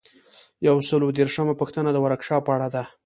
یو سل او دیرشمه پوښتنه د ورکشاپ په اړه ده.